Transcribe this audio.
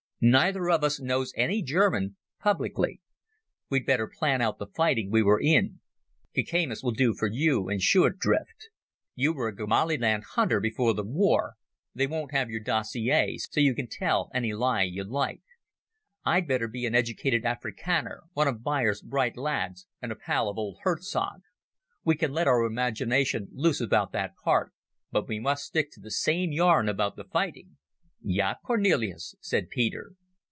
Neither of us knows any German—publicly. We'd better plan out the fighting we were in—Kakamas will do for one, and Schuit Drift. You were a Ngamiland hunter before the war. They won't have your dossier, so you can tell any lie you like. I'd better be an educated Afrikander, one of Beyers's bright lads, and a pal of old Hertzog. We can let our imagination loose about that part, but we must stick to the same yarn about the fighting." "Ja, Cornelis," said Peter.